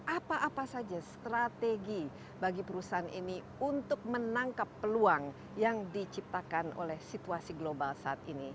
apa apa saja strategi bagi perusahaan ini untuk menangkap peluang yang diciptakan oleh situasi global saat ini